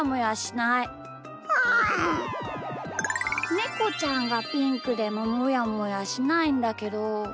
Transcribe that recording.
ネコちゃんがピンクでももやもやしないんだけど。